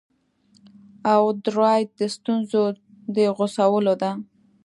او درایت د ستونزو د غوڅولو ده